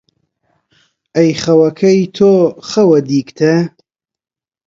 ئەی خەوەکەی تۆ خەوە دیگتە،